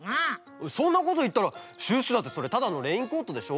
そんなこといったらシュッシュだってそれただのレインコートでしょ。